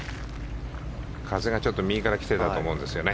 風がちょっと右からきていたと思うんですね。